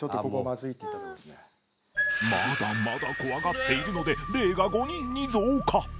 まだまだ怖がっているので霊が５人に増加